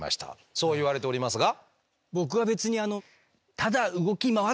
そう言われておりますが？